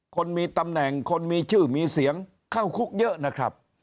คนมีตำแหน่งคนมีชื่อมีเสียงเข้าคุกเยอะนะครับ